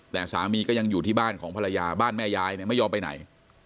แต่สามีก็ยังอยู่ที่บ้านของภรรยาบ้านแม่ยายเนี่ยไม่ยอมไปไหน